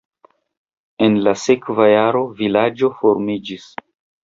En la sekva jaro vilaĝo formiĝis.